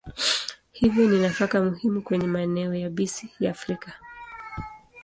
Hivyo ni nafaka muhimu kwenye maeneo yabisi ya Afrika.